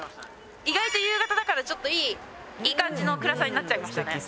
意外と夕方だからちょっといいいい感じの暗さになっちゃいましたね。